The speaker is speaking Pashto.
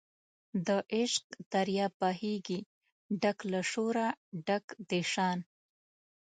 د عشق دریاب بهیږي ډک له شوره ډک د شان